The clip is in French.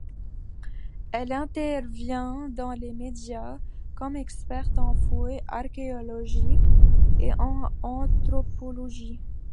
Elle intervient dans les médias, comme experte en fouilles archéologiques et en anthropologie.